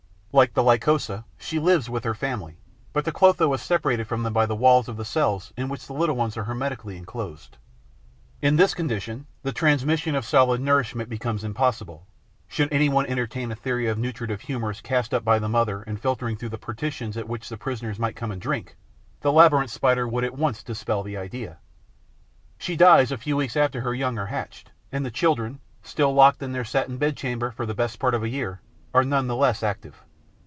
Like the Lycosa, she lives with her family; but the Clotho is separated from them by the walls of the cells in which the little ones are hermetically enclosed. In this condition, the transmission of solid nourishment becomes impossible. Should any one entertain a theory of nutritive humours cast up by the mother and filtering through the partitions at which the prisoners might come and drink, the Labyrinth Spider would at once dispel the idea. She dies a few weeks after her young are hatched; and the children, still locked in their satin bed chamber for the best part of the year, are none the less active.